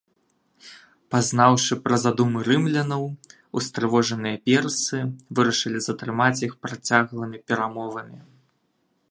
Пазнаўшы пра задумы рымлянаў, устрывожаныя персы вырашылі затрымаць іх працяглымі перамовамі.